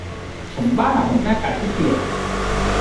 ฉันบ้าเหมือนแม่ไก่ที่เปียก